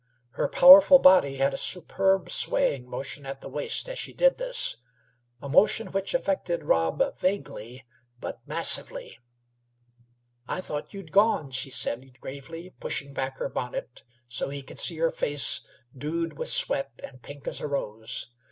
Her powerful body had a superb swaying motion at the waist as she did this a motion which affected Rob vaguely but massively. "I thought you'd gone," she said gravely, pushing back her bonnet till he could see her face dewed with sweat, and pink as a rose.